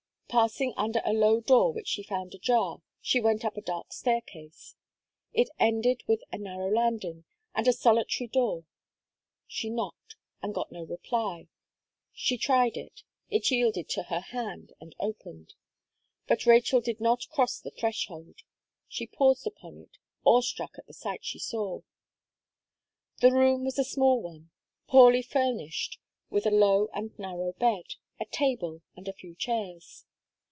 Passing under a low door which she found ajar, she went up a dark staircase. It ended with a narrow landing, and a solitary door; she knocked, and got no reply; she tried it, it yielded to her hand, and opened; but Rachel did not cross the threshold; she paused upon it, awe struck at the sight she saw. The room was a small one, poorly famished, with a low and narrow bed, a table and a few chairs.